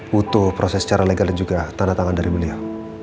butuh proses secara legal dan juga tanda tangan dari beliau